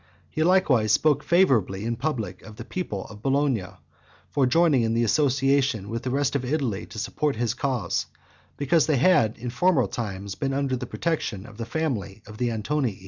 He likewise spoke favourably in public of the people of Bologna, for joining in the association with the rest of Italy to support his cause, because they had, in former times, been under the protection of the family of the Antonii.